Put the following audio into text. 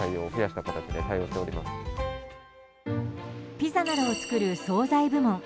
ピザなどを作る総菜部門。